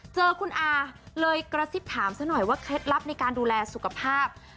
เจอคุณอาเลยกระซิบถามซะหน่อยว่าเคล็ดลับในการดูแลสุขภาพ